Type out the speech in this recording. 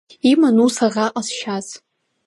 Иман ус аӷа ҟазшьас…